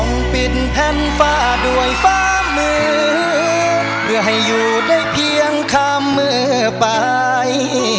ปิดแผ่นฝ้าด้วยฟ้ามือเพื่อให้อยู่ได้เพียงคำมือไป